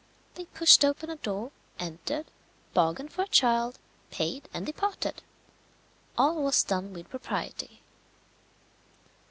They pushed open a door, entered, bargained for a child, paid, and departed. All was done with propriety.